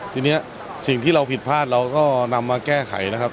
ทีนี้สิ่งที่เราผิดพลาดเราก็นำมาแก้ไขนะครับ